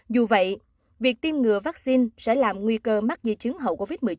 dù vậy việc tiêm ngừa vaccine sẽ làm nguy cơ mắc di chứng hậu covid một mươi chín